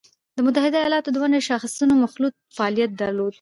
د متحده ایالاتو د ونډو شاخصونو مخلوط فعالیت درلود